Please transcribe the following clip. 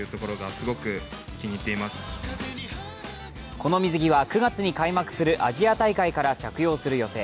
この水着は９月に開幕するアジア大会から着用する予定。